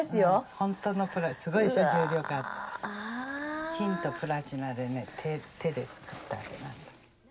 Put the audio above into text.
本当のプラチナ、すごいでしょ、金とプラチナでね、手で作ったあれなんで。